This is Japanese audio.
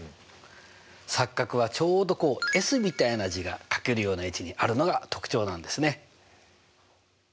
錯角はちょうどＳみたいな字が書けるような位置にあるのが特徴なんですね。